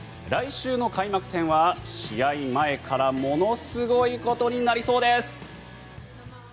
来週の開幕戦は試合前からものすごいことになりそうです。